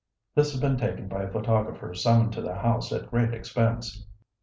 This had been taken by a photographer summoned to the house at great expense.